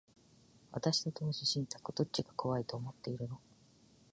私と投資信託、どっちが怖いと思ってるの？